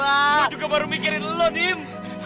waduh gue baru mikirin lo dim